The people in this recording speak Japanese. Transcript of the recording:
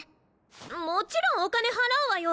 もちろんお金払うわよ